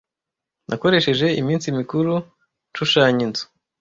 Nakoresheje iminsi mikuru nshushanya inzu.